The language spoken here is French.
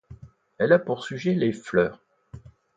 Elle a pour sujet les fleurs.